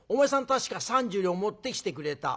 確か３０両持ってきてくれた。